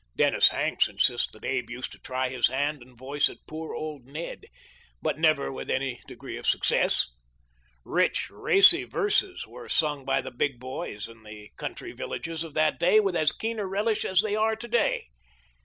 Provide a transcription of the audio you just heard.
" Dennis Hanks insists that Abe used to try his hand and voice at " Poor old Ned," but never with any degree of success. " Rich, racy verses " were sung by the big boys in the country villages of that day with as keen a relish as they are to day.